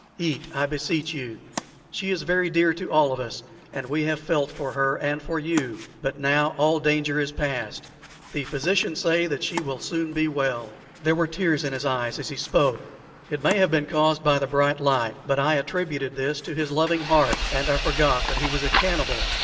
"Eat, I beseech you. She is very dear to all of us, and we have all felt for her and for you. But now all danger is past. The physicians say that she will soon be well." There were tears in his eyes as he spoke. It may have been caused by the bright light, but I attributed this to his loving heart, and I forgot that he was a cannibal.